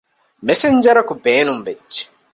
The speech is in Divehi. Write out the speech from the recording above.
މެސެންޖަރަކު ބޭނުންވެއްޖެ